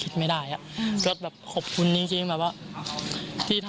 ช่วยให้เขาเห็นวันช่วย